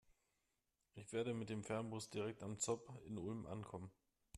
Ich werde mit dem Fernbus direkt am ZOB in Ulm ankommen.